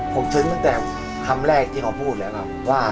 ผมคิดตั้งแต่คำแรกที่เขาพูดแล้วว่า